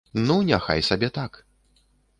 Ну няхай сабе так.